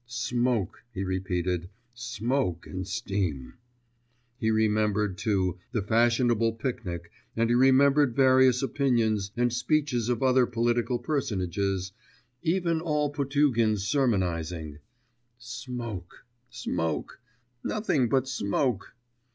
'Smoke,' he repeated, 'smoke and steam'; he remembered, too, the fashionable picnic, and he remembered various opinions and speeches of other political personages even all Potugin's sermonising ... 'Smoke, smoke, nothing but smoke.